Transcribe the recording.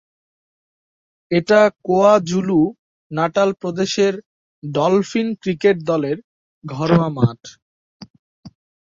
এটা KwaZulu Natal প্রদেশের Dolphin cricket দলের ঘরোয়া মাঠ।